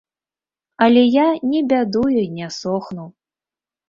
Але я не бядую й не сохну.